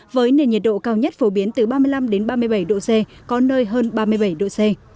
với nền nhiệt độ cao nhất phổ biến từ ba mươi năm ba mươi bảy độ c có nơi hơn ba mươi bảy độ c